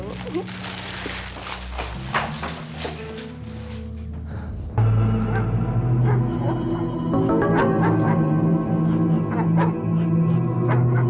aku mau ke rumah